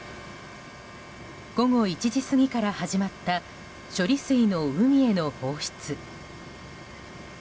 午後１時過ぎから始まった処理水の海への放出。